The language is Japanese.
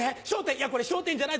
「いやこれ『笑点』じゃない」